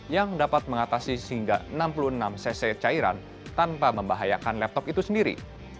yang dapat mengatasi hingga enam puluh enam cc cairan tanpa membahayakan laptop itu sendiri